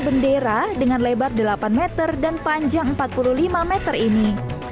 bendera dengan lebar delapan meter dan panjang empat puluh lima meter ini